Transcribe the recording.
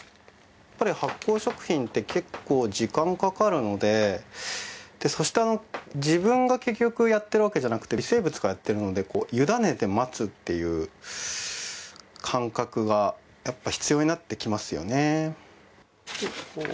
やっぱり発酵食品って結構時間かかるのでそしてあの自分が結局やってるわけじゃなくて微生物がやってるので委ねて待つっていう感覚がやっぱり必要になってきますよね。